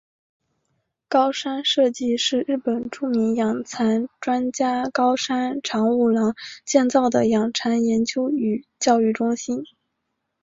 高山社迹是日本著名养蚕专家高山长五郎建造的养蚕研究与教育中心。